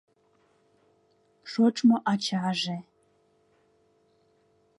— Шочмо ачаже.